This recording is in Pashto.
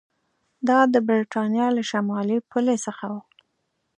دا د برېټانیا له شمالي پولې څخه و